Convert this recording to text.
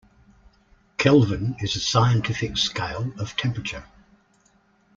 Kelvin is a scientific scale of temperature.